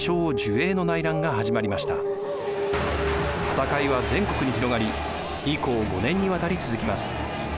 戦いは全国に広がり以降５年にわたり続きます。